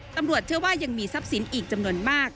ตำรวจเชื่อว่ายังมีทรัพย์สินอีกจำนวนมาก